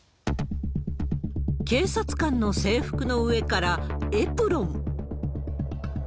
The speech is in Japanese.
警察官の制服の上からエプロン。